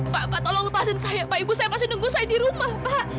pak tolong lepasin saya pak ibu saya pasti nunggu saya di rumah pak